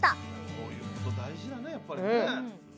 こういうこと大事だねやっぱりね。